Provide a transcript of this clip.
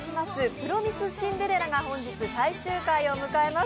「プロミス・シンデレラ」が本日最終回を迎えます。